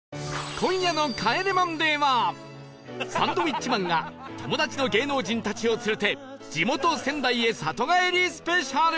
今夜の『帰れマンデー』はサンドウィッチマンが友達の芸能人たちを連れて地元仙台へ里帰りスペシャル！